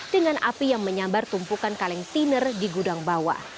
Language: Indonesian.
dengan api yang menyambar tumpukan kaleng tiner di gudang bawah